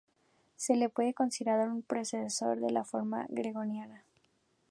Se le puede considerar un predecesor de la Reforma gregoriana.